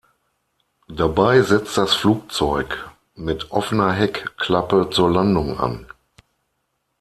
Dabei setzt das Flugzeug mit offener Heckklappe zur Landung an.